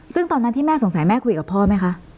ซึ่งตอนนั้นที่แม่สงสัยแม่คุยกับพ่อไหมคะ